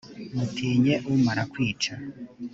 mutinye umara kwica.